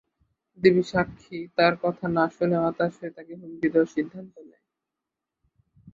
দেবী, সাক্ষী তার কথা না শুনে হতাশ হয়ে তাকে হুমকি দেওয়ার সিদ্ধান্ত নেয়।